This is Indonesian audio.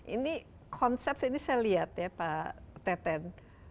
ini konsep ini saya lihat ya pak teten